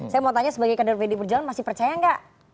saya mau tanya sebagai kader pdi perjuangan masih percaya nggak